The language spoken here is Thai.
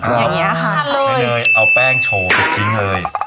เลยเอาแป้งโชว์ไปทิ้งเลย